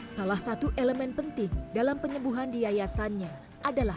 salah satu elemen penting dalam penyembuhan diayasannya adalah